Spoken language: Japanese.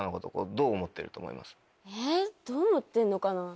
どう思ってるのかな？